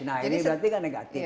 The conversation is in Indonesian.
nah ini berarti kan negatif